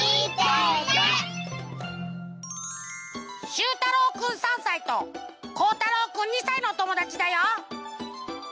しゅうたろうくん３さいとこうたろうくん２さいのおともだちだよ。